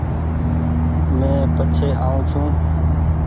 مينٚ پڇي آئو ڇوٚنٚ